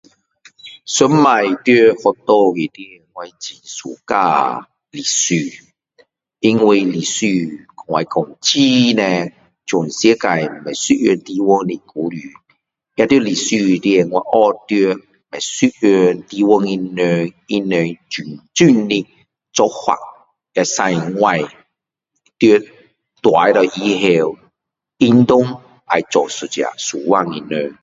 以前在学校里面我很喜欢历史因为历史跟我说很多全世界不一样地方的故事那要在历史里面我学到不一样地方的人他们种种的做法使我在大了以后影响我做一个怎样的人